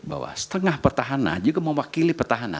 bahwa setengah petahana juga mewakili petahana